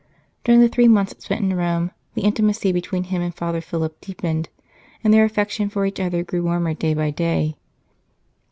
During the three months spent in Rome the intimacy between him and Father Philip deepened, and their affection for each other grew warmer day by day.